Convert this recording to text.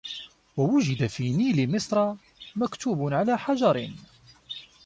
وَوُجِدَ فِي نِيلِ مِصْرَ مَكْتُوبٌ عَلَى حَجَرٍ